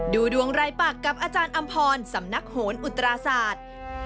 ดูดวงรายปากกับอาจารย์อำพรสำนักโหนอุตราศาสตร์